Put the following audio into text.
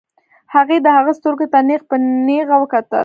هغې د هغه سترګو ته نېغ په نېغه وکتل.